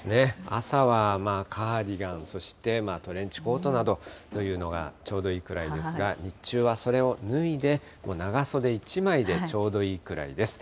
朝はカーディガン、そしてトレンチコートなどというのがちょうどいいくらいですが、日中はそれを脱いで、長袖１枚でちょうどいいくらいです。